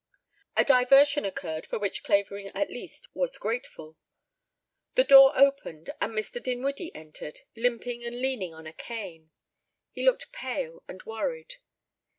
A diversion occurred for which Clavering at least was grateful. The door opened and Mr. Dinwiddie entered, limping and leaning on a cane. He looked pale and worried.